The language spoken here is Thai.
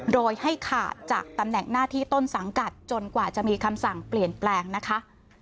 โดยให้ขาดจากตำแหน่งหน้าที่ต้นสังกัดจนกว่าจะมีคำสั่งเปลี่ยนแปลงนะคะ